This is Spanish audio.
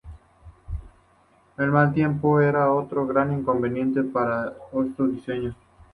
El mal tiempo era otro gran inconveniente para estos diseños.